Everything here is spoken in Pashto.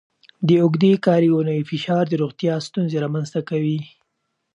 د اوږدې کاري اونۍ فشار د روغتیا ستونزې رامنځته کوي.